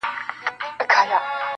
• زه دي وینمه لا هغسي نادان یې..